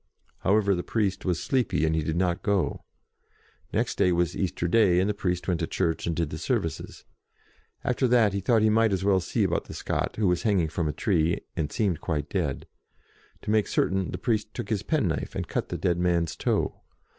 However, the priest was sleepy, and he did not go. Next day was Easter Day, and the priest went to church and did the services. After that, he thought he might as well see about the Scot who was hang ing from a tree, and seemed quite dead. To make certain, the priest took his pen knife, and cut the dead man's toe.